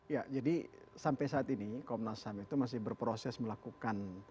ya jadi sampai saat ini komnas ham itu masih berproses melakukan